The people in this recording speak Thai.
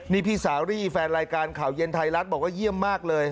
นี่พี่สาวรี่แฟนรายการข่าวเย็นไทยรัฐบอกว่าเยี่ยมมากเลย